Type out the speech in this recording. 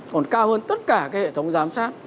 còn cao hơn tất cả cái hệ thống giám sát